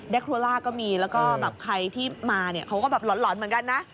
โคล่าก็มีแล้วก็แบบใครที่มาเนี่ยเขาก็แบบหลอนเหมือนกันนะ